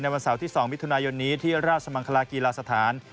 วันเสาร์ที่๒มิถุนายนนี้ที่ราชมังคลากีฬาสถาน